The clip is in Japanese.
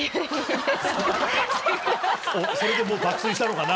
それで爆睡したのかな？